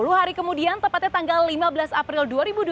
sepuluh hari kemudian tepatnya tanggal lima belas april dua ribu dua puluh